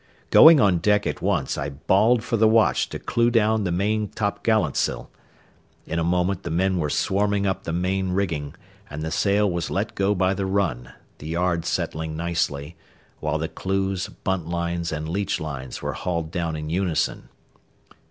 Going on deck at once, I bawled for the watch to clew down the main topgallantsail. In a moment the men were swarming up the main rigging, and the sail was let go by the run, the yard settling nicely, while the clews, buntlines, and leachlines were hauled down in unison.